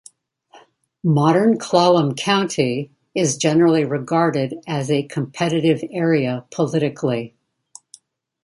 Modern Clallam County is generally regarded as a competitive area politically.